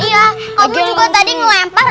iya oke juga tadi ngelempar